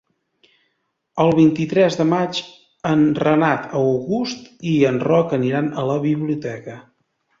El vint-i-tres de maig en Renat August i en Roc aniran a la biblioteca.